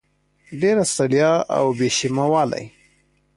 ډېره ستړیا او بې شیمه والی